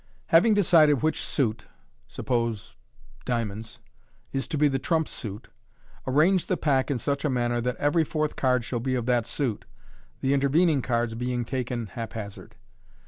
— Having decided which suit (suppose dia monds) is to be the trump suit, arrange the pack in such mannei that every fourth card shall be of that suit, the intervening cards being taken haphazard.